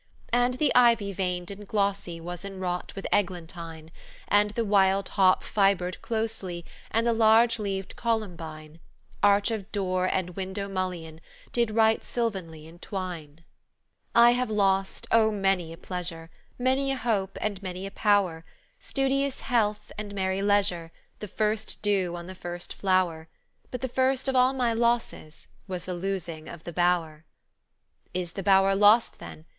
"And the ivy veined and glossy Was enwrought with eglantine; And the wild hop fibred closely, And the large leaved columbine, Arch of door and window mullion, did right sylvanly entwine. "I have lost oh, many a pleasure, Many a hope, and many a power Studious health, and merry leisure, The first dew on the first flower! But the first of all my losses was the losing of the bower. "Is the bower lost then?